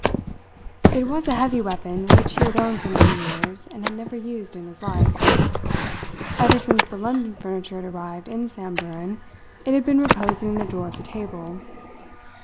It was a heavy weapon which he had owned for many years and had never used in his life. Ever since the London furniture had arrived in Samburan, it had been reposing in the drawer of the table.